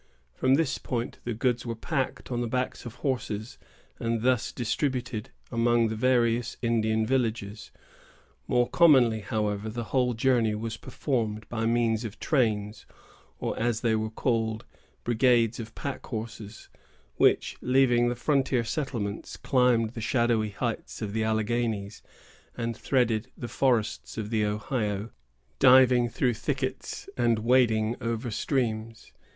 From this point the goods were packed on the backs of horses, and thus distributed among the various Indian villages. More commonly, however, the whole journey was performed by means of trains, or, as they were called, brigades of pack horses, which, leaving the frontier settlements, climbed the shadowy heights of the Alleghanies, and threaded the forests of the Ohio, diving through thickets, and wading over streams.